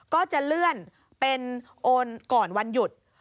ก็จะเลื่อนเป็นโอนก่อนวันหยุด